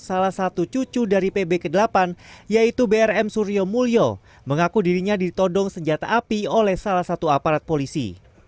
salah satu cucu dari pb ke delapan yaitu brm suryo mulyo mengaku dirinya ditodong senjata api oleh salah satu aparat polisi